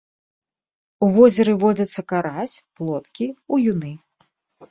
У возеры водзяцца карась, плоткі, уюны.